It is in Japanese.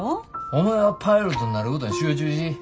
お前はパイロットになることに集中し。